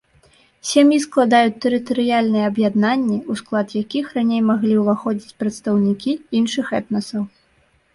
Сем'і складаюць тэрытарыяльныя аб'яднанні, у склад якіх раней маглі ўваходзіць прадстаўнікі іншых этнасаў.